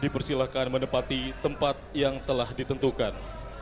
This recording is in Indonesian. dipersilakan menempati tempat yang telah ditentukan